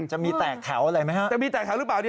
จะมีแตกเขาหรือเปล่า